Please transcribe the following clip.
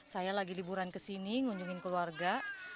saya lagi liburan kesini ngunjungin keluarga